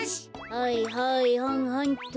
はいはいはんはんと。